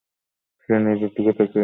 সে নিজের দিকে তাকিয়ে দেখল।